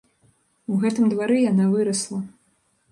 У гэтым двары яна вырасла.